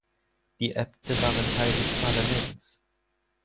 Die Äbte waren Teil des Parlaments.